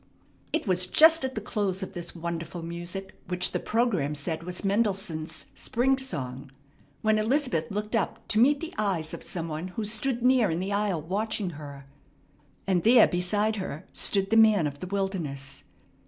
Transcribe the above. It was just at the close of this wonderful music, which the programme said was Mendelssohn's "Spring Song," when Elizabeth looked up to meet the eyes of some one who stood near in the aisle watching her, and there beside her stood the man of the wilderness!